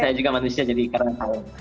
saya juga manusia jadi karena salah